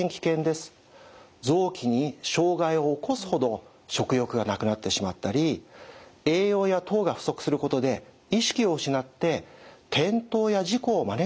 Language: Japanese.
臓器に障害をおこすほど食欲がなくなってしまったり栄養や糖が不足することで意識を失って転倒や事故を招いたりすることもありえます。